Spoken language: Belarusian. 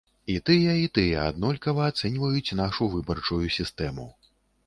І тыя, і тыя аднолькава ацэньваюць нашу выбарчую сістэму.